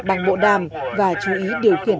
bằng bộ đàm và chú ý điều khiển